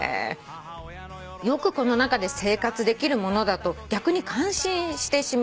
「よくこの中で生活できるものだと逆に感心してしまいました」